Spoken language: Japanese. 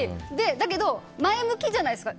だけど、前向きじゃないですか。